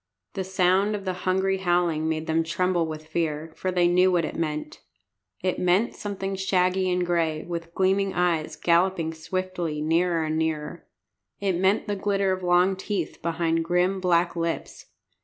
The sound of the hungry howling made them tremble with fear, for they knew what it meant. It meant something shaggy and gray, with gleaming eyes, galloping swiftly nearer and nearer. It meant the glitter of long teeth behind grim black lips.